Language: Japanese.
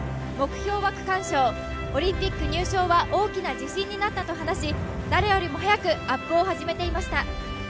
目標は区間賞、オリンピック入賞は大きな自信になったと話し、誰よりも早くアップを始めていました。